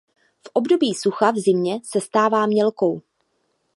V období sucha v zimě se stává mělkou.